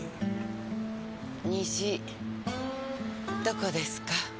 虹どこですか？